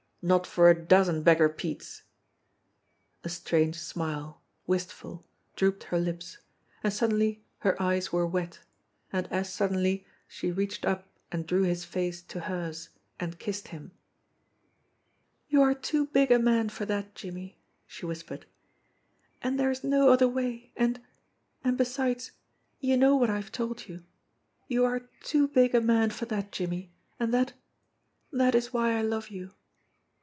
Not for a dozen Beggar Petes!" A strange smile, wistful, drooped her lips; and suddenly THE PANELLED WALL 123 her eyes were wet ; and as suddenly she reached up and drew his face to hers and kissed him. "You are too big a man for that, Jimmie," she whispered. "And there is no other way, and and, besides, you know what I have told you. You are too big a man for that, Jim mie, and that that is why I love you."